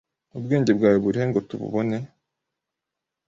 Ubwenge bwawe burihe ngo tububone?